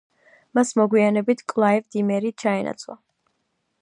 მას მოგვიანებით კლაივ დიმერი ჩაენაცვლა.